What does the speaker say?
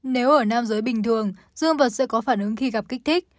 nếu ở nam giới bình thường dương và sẽ có phản ứng khi gặp kích thích